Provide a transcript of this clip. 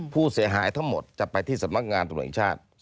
ผู้เสียหายทั้งหมดจะไปที่สำนักงานตำรวจแห่งชาติ